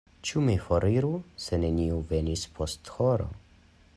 Ĉu mi foriru se neniu venis post horo?